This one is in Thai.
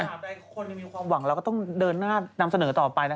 ใดคนยังมีความหวังเราก็ต้องเดินหน้านำเสนอต่อไป